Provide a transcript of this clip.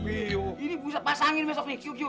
ini bisa pasangin besok kiu kiu